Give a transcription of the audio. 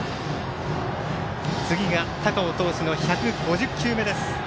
次が高尾投手の１５０球目。